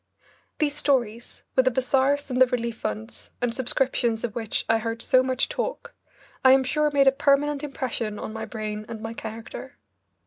These stories, with the bazaars and the relief funds and subscriptions of which I heard so much talk, I am sure made a permanent impression on my brain and my character.